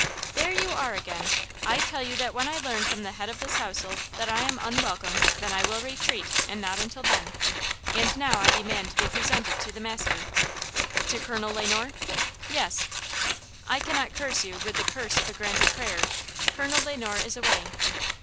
"There you are again! I tell you that when I learn from the head of this household that I am unwelcome, then I will retreat, and not until then! And, now I demand to be presented to the master." "To Colonel Le Noir?" "Yes." "I cannot curse you with 'the curse of a granted prayer!' Colonel Le Noir is away."